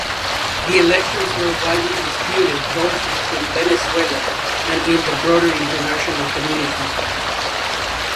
The elections were widely disputed both within Venezuela and in the broader international community.